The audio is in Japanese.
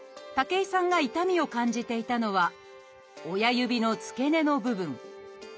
武井さんが痛みを感じていたのは親指の付け根の部分。